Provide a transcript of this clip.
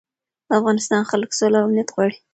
د افغانستان خلک سوله او امنیت غواړي.